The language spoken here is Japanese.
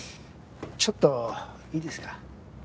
ちょっといいですか？